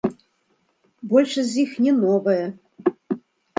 Большасць з іх не новая.